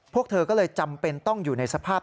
พวกเธอก็เลยจำเป็นต้องอยู่ในสภาพ